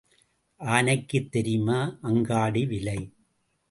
ஆனைக்குத் தெரியுமா அங்காடி விலை?